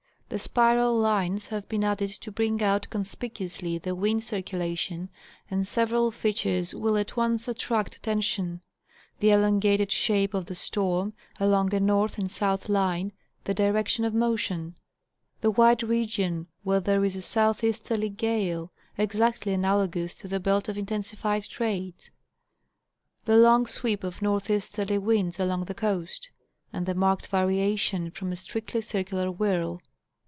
The spiral lines have been added to bring out conspicuously the wind circu lation, and several features will at once attract attention : the elongated shape of the storm, along a north and south line (the direction of motion); the wide region where there is a southeasterly gale (exactly analogous to the belt of intensified trades) ; the long sweep of northeasterly winds along the coast; and the marked variation from a strictly circular whirl.